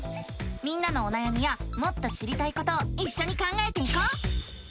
みんなのおなやみやもっと知りたいことをいっしょに考えていこう！